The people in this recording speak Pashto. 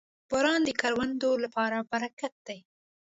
• باران د کروندو لپاره برکت دی.